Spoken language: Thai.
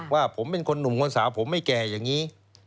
ว่าผมเป็นคนหนุ่มคนสาวผมไม่แก่อย่างนี้